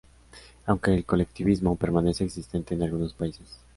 Aunque el colectivismo permanece existente en algunos países.